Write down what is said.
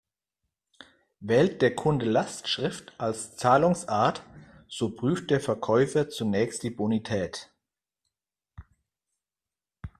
Wählt der Kunde Lastschrift als Zahlungsart, so prüft der Verkäufer zunächst die Bonität.